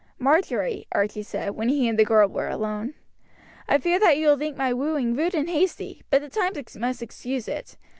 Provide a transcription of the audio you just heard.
"Marjory," Archie said, when he and the girl were alone, "I fear that you will think my wooing rude and hasty, but the times must excuse it.